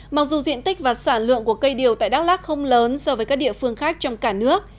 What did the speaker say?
mặc dù diện tích và sản lượng của cây điều tại đắk lắc không lớn so với các địa phương khác trong cả nước